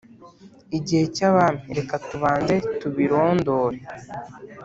igihe cy'abami, reka tubanze tubirondore